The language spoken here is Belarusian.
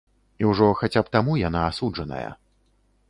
І ўжо хаця б таму яна асуджаная.